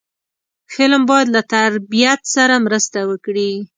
فلم باید له تربیت سره مرسته وکړي